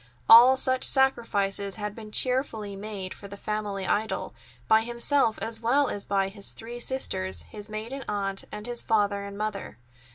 All such sacrifices had been cheerfully made for the family idol, by himself as well as by his three sisters, his maiden aunt, and his father and mother.